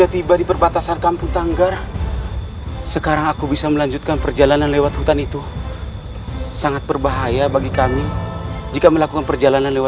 tidak serah terlalu banyak kemari